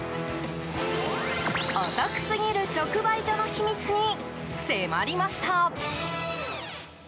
お得すぎる直売所の秘密に迫りました。